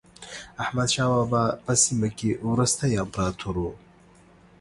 احمد شاه بابا په سیمه کې وروستی امپراتور و.